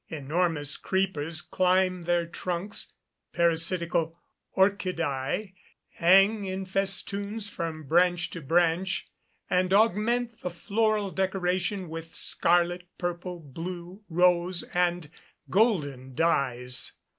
Enormous creepers climb their trunks; parasitical orchidæ hang in festoons from branch to branch, and augment the floral decoration with scarlet, purple, blue, rose, and golden dyes.